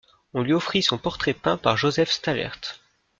On lui offrit son portrait peint par Joseph Stallaert.